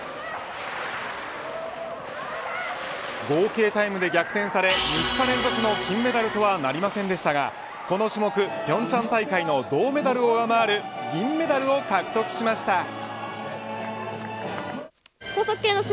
合計タイムで逆転され３日連続の金メダルとはなりませんでしたが、この種目平昌大会の銅メダルを上回る銀メダルを獲得しました。